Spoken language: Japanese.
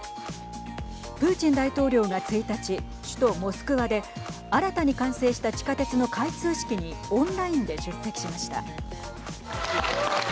プーチン大統領が１日首都モスクワで新たに完成した地下鉄の開通式にオンラインで出席しました。